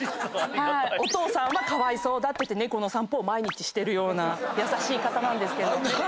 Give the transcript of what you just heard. お義父さんはかわいそうだって猫の散歩を毎日してるような優しい方なんですけど。